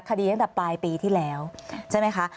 คดีตั้งแต่ปลายปีที่แล้วใช่ไหมคะ